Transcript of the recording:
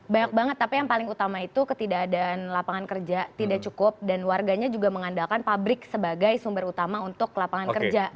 banyak banget tapi yang paling utama itu ketidakadaan lapangan kerja tidak cukup dan warganya juga mengandalkan pabrik sebagai sumber utama untuk lapangan kerja